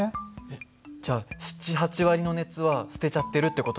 えっじゃ７８割の熱は捨てちゃってるって事なの？